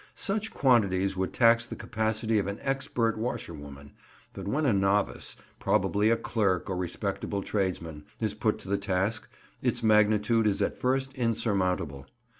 Such quantities would tax the capacity of an expert washerwoman; but when a novice—probably a clerk or respectable tradesman—is put to the task, its magnitude is at first insurmountable.